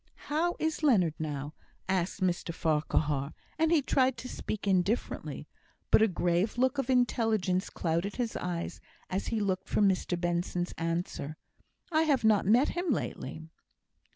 "How is Leonard now?" asked Mr Farquhar, and he tried to speak indifferently; but a grave look of intelligence clouded his eyes as he looked for Mr Benson's answer. "I have not met him lately."